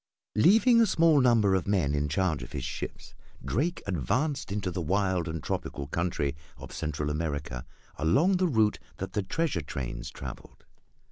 Leaving a small number of men in charge of his ships, Drake advanced into the wild and tropical country of Central America along the route that the treasure trains traveled.